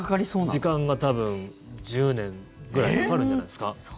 時間が多分１０年ぐらいかかるんじゃないですか。